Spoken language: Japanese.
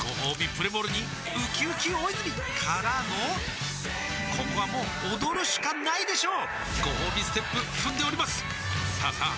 プレモルにうきうき大泉からのここはもう踊るしかないでしょうごほうびステップ踏んでおりますさあさあ